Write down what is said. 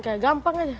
kayak gampang aja